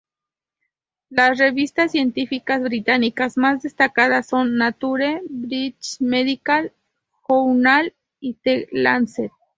Las revistas científicas británicas más destacadas son "Nature", "British Medical Journal" y "The Lancet".